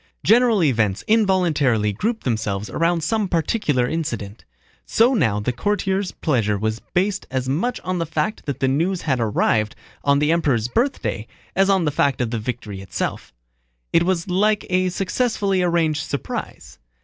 General events involuntarily group themselves around some particular incident. So now the courtiers' pleasure was based as much on the fact that the news had arrived on the Emperor's birthday as on the fact of the victory itself. It was like a successfully arranged surprise.